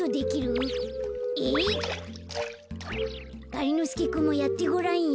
がりのすけくんもやってごらんよ。